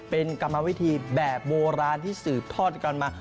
เป็นกรรมวิธีแบบโบราณที่สืบทอดกันมา